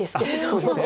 そうですね。